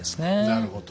なるほど。